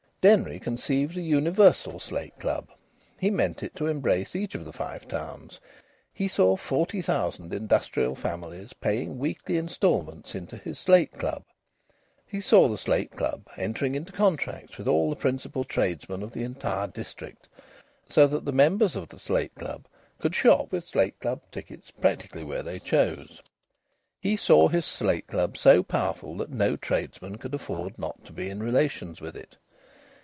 Denry conceived a universal slate club. He meant it to embrace each of the Five Towns. He saw forty thousand industrial families paying weekly instalments into his slate club. He saw his slate club entering into contracts with all the principal tradesmen of the entire district, so that the members of the slate club could shop with slate club tickets practically where they chose. He saw his slate club so powerful that no tradesman could afford not to be in relations with it.